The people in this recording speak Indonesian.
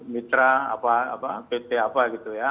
pt apa gitu ya